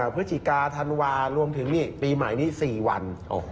พฤศจิกาธันวารวมถึงนี่ปีใหม่นี้๔วัน